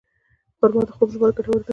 خرما د خوب لپاره ګټوره ده.